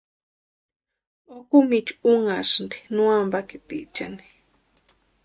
Okumichu unhasïnti no ampakitichani.